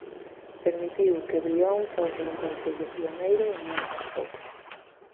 Permitiu que Brión fose un concello pioneiro en moitas cousas.